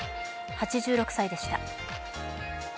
８６歳でした。